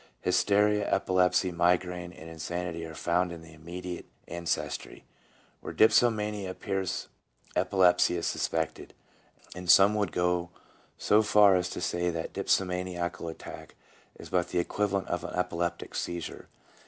Hysteria, epilepsy, migraine, and insanity are found in the immediate ancestry. Where dipsomania appears epilepsy is suspected ; and some would go so far as to say that a dipsomaniacal attack is but the equivalent of an epileptic seizure.